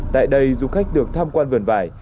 tại đây du khách được tham quan vườn vải